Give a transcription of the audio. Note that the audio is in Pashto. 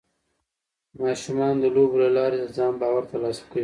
ماشومان د لوبو له لارې د ځان باور ترلاسه کوي.